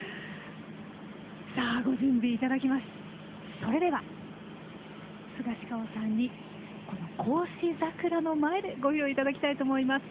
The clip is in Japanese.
それではスガシカオさんにこの孝子桜の前で披露いただきたいと思います。